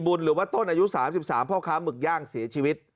บุลหรือว่าต้นอายุสามสิบสามพ่อค้าหมึกย่างเสียชีวิต